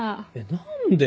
何で？